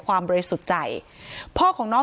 การแก้เคล็ดบางอย่างแค่นั้นเอง